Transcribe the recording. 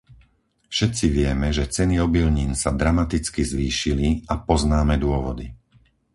Všetci vieme, že ceny obilnín sa dramaticky zvýšili a poznáme dôvody.